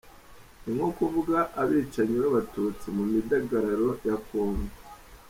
Ni nko kuvuga abicanyi b’abatutsi, mu midugararo ya Congo.